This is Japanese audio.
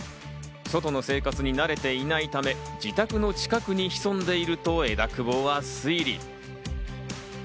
外の生活に慣れていないため、自宅の近くに潜んでいると、枝久保は推理。